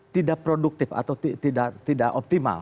tidak produktif atau tidak optimal